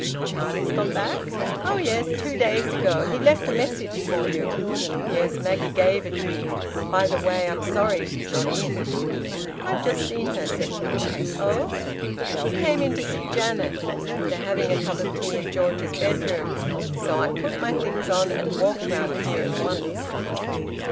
"Charlie's gone back?" "Oh yes. Two days ago. He left a message for you." "Yes. Maggie gave it me. By the way, I'm sorry she's not in." "I've just seen her," said Hilda. "Oh!" "She came in to see Janet. They're having a cup of tea in George's bedroom. So I put my things on and walked round here at once."